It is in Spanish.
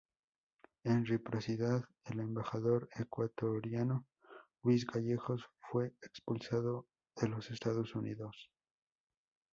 En reciprocidad, el embajador ecuatoriano Luis Gallegos fue expulsado de los Estados Unidos.